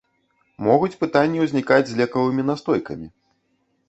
Могуць пытанні ўзнікаць з лекавымі настойкамі.